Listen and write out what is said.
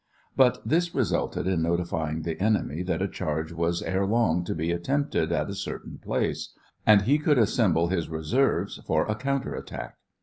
But this resulted in notifying the enemy that a charge was ere long to be attempted at a certain place, and he could assemble his reserves for a counter attack.